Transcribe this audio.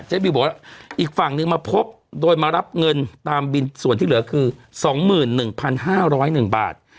บิวบอกว่าอีกฝั่งนึงมาพบโดยมารับเงินตามบินส่วนที่เหลือคือ๒๑๕๐๑บาท